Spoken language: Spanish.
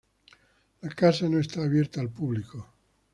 La casa no está abierta al público.